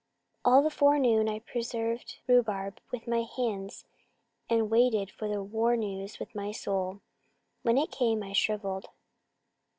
"All the forenoon I preserved rhubarb with my hands and waited for the war news with my soul. When it came I shrivelled.